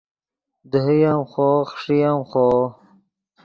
دیہے ام خوو خݰئے ام خوو